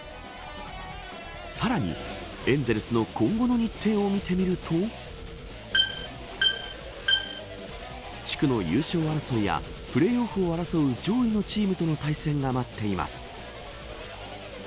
さらに、エンゼルスの今後の日程を見てみると地区の優勝争いやプレーオフを争う上位のチームとの対戦が待っています。